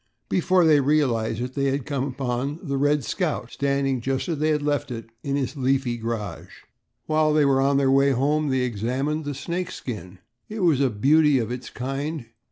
Before they realized it they had come upon the "Red Scout" standing just as they had left it in its leafy garage. While they were on the way home they examined the snake skin. It was a beauty of its kind.